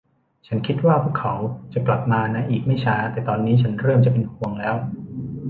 ฉันคิดว่าพวกเขาจะกลับมาในอีกไม่ช้า แต่ตอนนี้ฉันเริ่มจะเป็นห่วงแล้ว